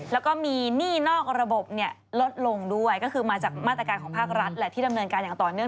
แล้วก็มีหนี้นอกระบบเนี่ยลดลงด้วยก็คือมาจากมาตรการของภาครัฐแหละที่ดำเนินการอย่างต่อเนื่อง